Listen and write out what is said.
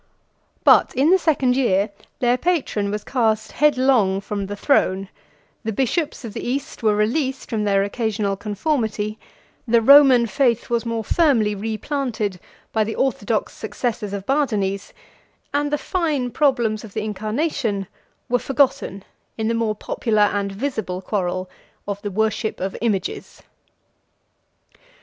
But in the second year, their patron was cast headlong from the throne, the bishops of the East were released from their occasional conformity, the Roman faith was more firmly replanted by the orthodox successors of Bardanes, and the fine problems of the incarnation were forgotten in the more popular and visible quarrel of the worship of images.